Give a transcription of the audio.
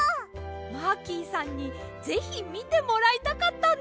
マーキーさんにぜひみてもらいたかったんです！